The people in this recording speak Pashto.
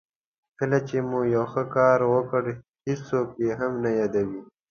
کله چې مو یو ښه کار وکړ هېڅوک یې نه یادوي.